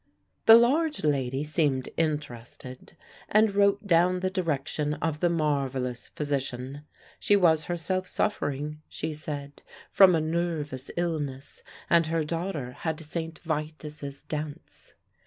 The large lady seemed interested and wrote down the direction of the marvellous physician. She was herself suffering, she said, from a nervous illness, and her daughter had St. Vitus' dance.